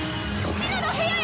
紫乃の部屋へ！